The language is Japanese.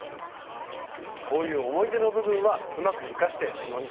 こういう思い出の部分はうまく生かして布にしたいですよね。